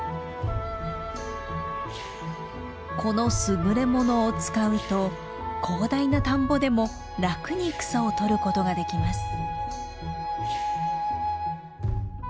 この優れものを使うと広大な田んぼでも楽に草を取ることができます。